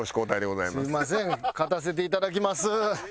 すいません勝たせて頂きます。